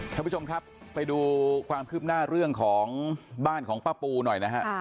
ท่านผู้ชมครับไปดูความคืบหน้าเรื่องของบ้านของป้าปูหน่อยนะฮะ